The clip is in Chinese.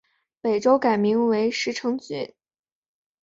北周改名石城郡。